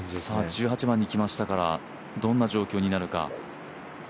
１８番にきました、どんな状況になるか。